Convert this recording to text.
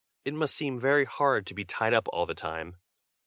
"It must seem very hard to be tied up all the time.